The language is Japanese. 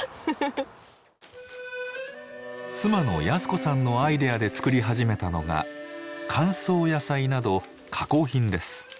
妻の靖子さんのアイデアで作り始めたのが乾燥野菜など加工品です。